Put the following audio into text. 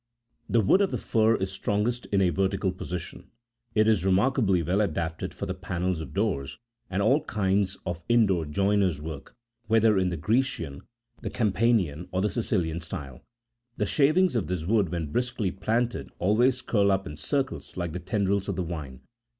The wood of the fir is strongest in a vertical46 position : it is remarkably well adapted for the pannels of doors, and all kinds of in door joiners' work, whether in the Grecian, the Campanian, or the Sicilian style. The shavings of this wood when briskly planed, always curl up in circles like the tendrils of the vine.